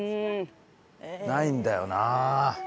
ないんだよなあ。